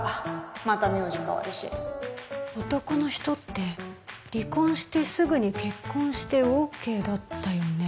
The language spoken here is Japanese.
また名字変わるし男の人って離婚してすぐに結婚して ＯＫ だったよね